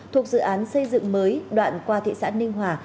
thuộc dự án xây dựng mới đoạn qua thị xã ninh hòa